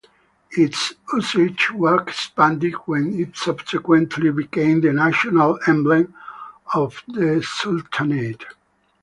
Its usage was expanded when it subsequently became the national emblem of the sultanate.